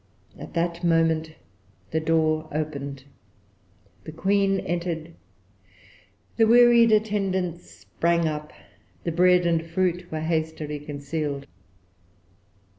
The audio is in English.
At that moment the door opened; the Queen entered; the wearied attendants sprang up; the bread and fruit were hastily concealed.